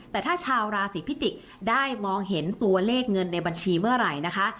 แต่ถ้าชาวราศีพิจิกษ์ได้มองเห็นตัวเลขเงินในบัญชีเมื่อไหร่นะคะ